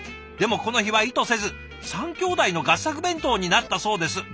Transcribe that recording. でもこの日は意図せず３きょうだいの合作弁当になったそうです。